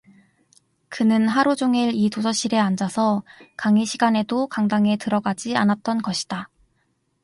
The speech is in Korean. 그는 하루 종일 이 도서실에 앉아서 강의 시간에도 강당에 들어가지 않았던 것이다.